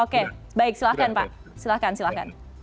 oke baik silahkan pak silahkan silahkan